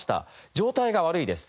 状態が悪いです。